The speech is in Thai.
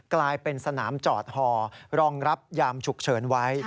กลายเป็นสนามจอดฮอรองรับยามฉุกเฉินไว้